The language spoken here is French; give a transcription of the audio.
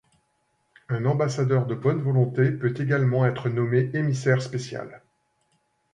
Un ambassadeur de bonne volonté peut également être nommé émissaire spécial.